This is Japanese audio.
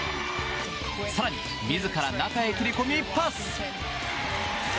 更に、自ら中へ切れ込み、パス！